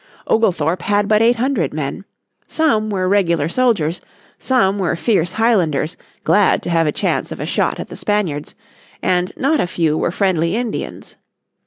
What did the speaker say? Oglethorpe had but eight hundred men. Some were regular soldiers, some were fierce Highlanders glad to have a chance of a shot at the Spaniards, and not a few were friendly Indians.